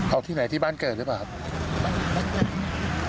เอาที่ไหนที่บ้านเกิดหรือเปล่าครับ